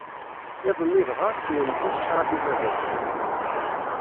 Iḍ-nni dɣa, sswent-as ccṛab i Baba-tsent.